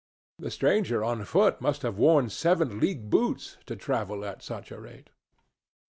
The stranger on foot must have worn seven league boots, to travel at such a rate.